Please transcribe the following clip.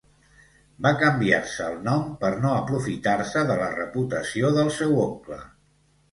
Va canviar-se el nom per no aprofitar-se de la reputació del seu oncle.